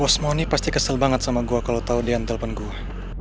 bos moni pasti kesel banget sama gua kalo tau dia nge telpen gua